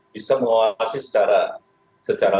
bisa menguasai secara